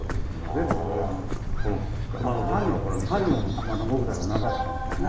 全部これもうこの谷を谷を木材を流したんですね。